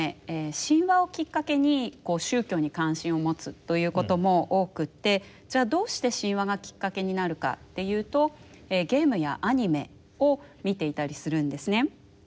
神話をきっかけに宗教に関心を持つということも多くてどうして神話がきっかけになるかっていうとゲームやアニメを見ていたりするんですね。